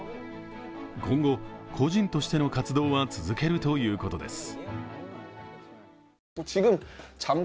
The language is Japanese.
今後、個人としての活動は続けるということです。